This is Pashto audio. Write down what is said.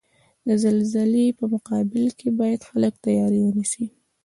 د زلزلزلې په مقابل کې باید خلک تیاری ونیسئ.